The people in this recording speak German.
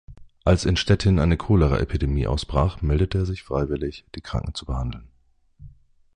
Als in Stettin eine Choleraepidemie ausbrach, meldete er sich freiwillig, die Kranken zu behandeln.